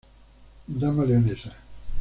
Dama leonesa.